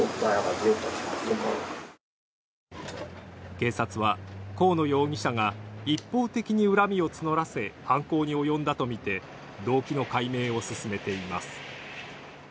警察は河野容疑者が一方的に恨みを募らせ犯行に及んだとみて、動機の解明を進めています。